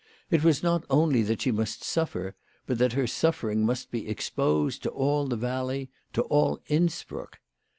It was not only that she must suffer, but that her suffer ings must be exposed to all the valley, to all Innsbruck.